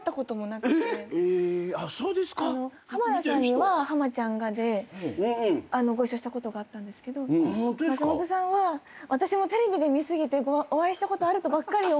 えっ⁉浜田さんには『浜ちゃんが！』でご一緒したことがあったんですが松本さんはテレビで見過ぎてお会いしたことあるとばっかり思ってたんですが。